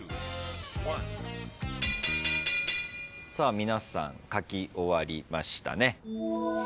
皆さん書き終わりましたね。